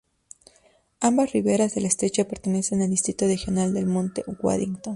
Ambas riberas del estrecho pertenecen al Distrito Regional del Monte Waddington.